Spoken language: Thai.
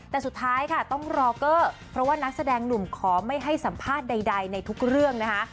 แต่สุดท้ายค่ะต้องรอเกอร์เพราะว่านักแสดงหนุ่มขอไม่ให้สัมภาษณ์ใดในทุกเรื่องนะคะ